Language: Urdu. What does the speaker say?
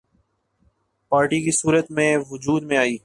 پارٹی کی صورت میں وجود میں آئی